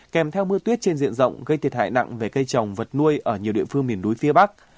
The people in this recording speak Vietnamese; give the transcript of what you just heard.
kèm theo mưa tuyết trên diện rộng gây thiệt hại nặng về cây trồng vật nuôi ở nhiều địa phương miền núi phía bắc